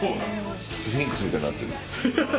スフィンクスみたいになってる。